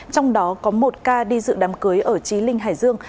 trong đó có một ca đi dự đám cưới ở trí linh hải dương